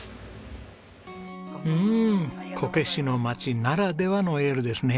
うんこけしの町ならではのエールですね。